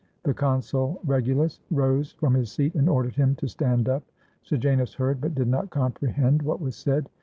The Consul Regulus rose from his seat and ordered him to stand up. Sejanus heard, but did not comprehend what was said.